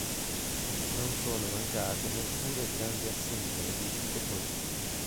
Non sono mancate neppure grandi assemblee di tipo politico.